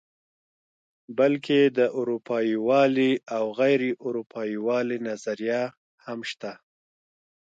بلکې د اروپايي والي او غیر اروپايي والي نظریه هم شته.